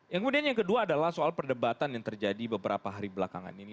yang kemudian yang kedua adalah soal perdebatan yang terjadi beberapa hari belakangan ini